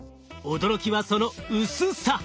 驚きはその薄さ。